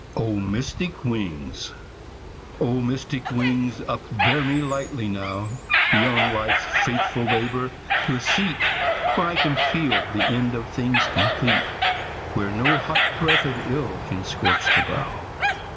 O MYSTIC WINGS O mystic wings, upbear me lightly now, Beyond life's faithful labour to a seat Where I can feel the end of things complete, Where no hot breath of ill can scorch the brow.